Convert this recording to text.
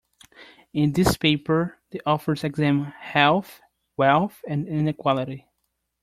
In this paper, the authors examine health, wealth and inequality.